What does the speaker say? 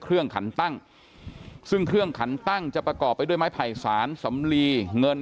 ขันตั้งซึ่งเครื่องขันตั้งจะประกอบไปด้วยไม้ไผ่สารสำลีเงิน